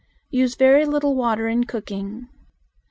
Use very little water in cooking.